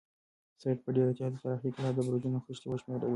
سعید په ډېر احتیاط د تاریخي کلا د برجونو خښتې وشمېرلې.